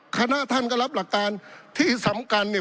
คณะท่านก็รับหลักการที่สำคัญเนี่ย